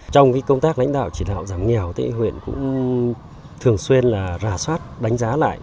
trong công tác lãnh đạo chỉ đạo giảm nghèo thì huyện cũng thường xuyên là rà soát đánh giá lại